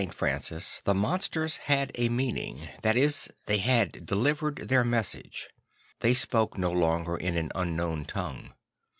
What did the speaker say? For a mystic like St. Francis the monsters had a meaning; that is, they had deli vered their message. They spoke no longer in an unknown tongue.